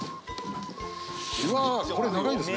うわ長いんですね。